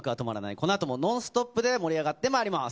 このあともノンストップで盛り上がってまいります。